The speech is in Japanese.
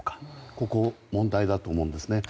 ここが問題だと思うんですね。